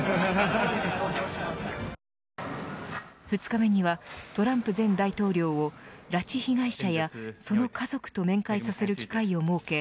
２日目にはトランプ前大統領を拉致被害者やその家族と面会させる機会を設け